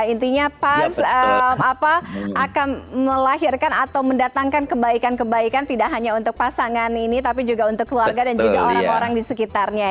intinya pas akan melahirkan atau mendatangkan kebaikan kebaikan tidak hanya untuk pasangan ini tapi juga untuk keluarga dan juga orang orang di sekitarnya